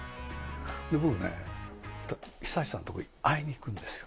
僕ね、久石さんの所、会いに行くんですよ。